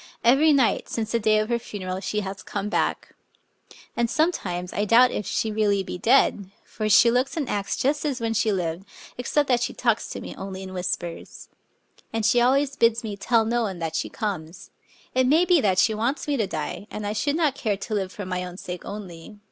Every night, since the day \ of her funeral, she has come back. And some j times I doubt if she be really dead ; for she looks C and acts just as when she lived, — except that she \ talks to me only in whispers. And she always bids me tell no one that she comes. It may be that she wants me to die ; and I should not care to live for my own sake only.